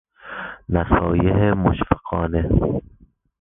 نصایح مشفقانه